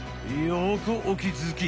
よくおきづき。